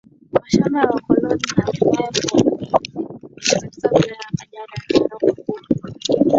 mashamba ya wakoloni na hatimaye kuwalazimu kuishi katika wilaya ya Kajiado na Narok Kumi